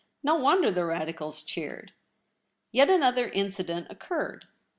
No wonder the Radicals cheered. Yet another Incident occurred.